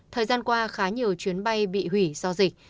thời gian qua khá nhiều chuyến bay bị hủy do dịch